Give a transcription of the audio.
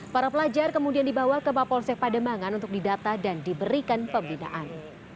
para pelajar kemudian dibawa ke bapolsek pada mangan untuk didata dan diberikan pembinaan